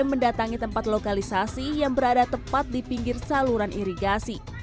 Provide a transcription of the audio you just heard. mendatangi tempat lokalisasi yang berada tepat di pinggir saluran irigasi